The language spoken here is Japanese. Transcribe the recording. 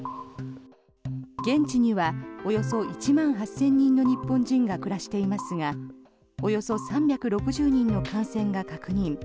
現地にはおよそ１万８０００人の日本人が暮らしていますがおよそ３６０人の感染が確認。